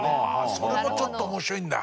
それもちょっと面白いんだ。